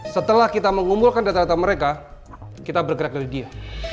setelah kita mengumpulkan data data mereka kita bergerak dari dia